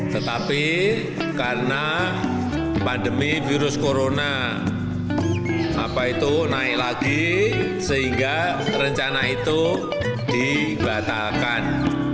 tetapi karena pandemi virus corona naik lagi sehingga rencana itu dibatalkan